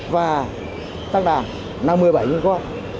và tăng đàn là một mươi bảy con